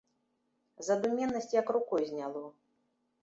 Задуменнасць як рукой зняло.